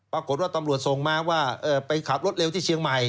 ปรากฏว่าตำรวจส่งมาว่าไปขับรถเร็วที่เชียงใหม่